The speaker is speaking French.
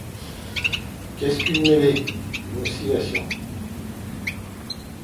Qu’est-ce qu’une mêlée? une oscillation.